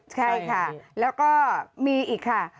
ใช่ค่ะแล้วก็มีอีกค่ะ